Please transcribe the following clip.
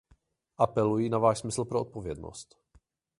Apeluji na váš smysl pro odpovědnost.